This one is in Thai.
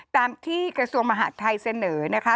ตามที่กระทรวงมหาดไทยเสนอนะคะ